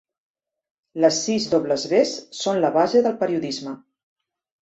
Les sis dobles ves són la base del periodisme.